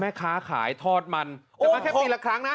แม่ค้าขายทอดมันแต่มาแค่ปีละครั้งนะ